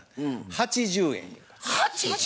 ８０円？